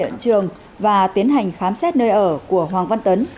mở rộng hiện trường và tiến hành khám xét nơi ở của hoàng văn tấn